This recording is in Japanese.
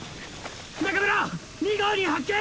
中村２５２発見！